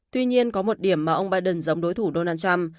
tuy nhiên có một điểm mà ông biden giống đối thủ donald trump